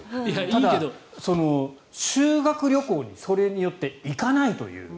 ただ、修学旅行にそれによって行かないという。